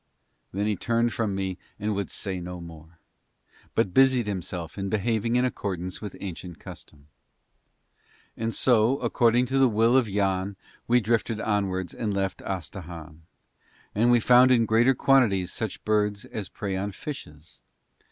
Then he turned from me and would say no more, but busied himself in behaving in accordance with ancient custom. And so, according to the will of Yann, we drifted onwards and left Astahahn, and we found in greater quantities such birds as prey on fishes.